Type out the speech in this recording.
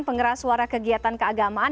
pengeras suara kegiatan keagamaan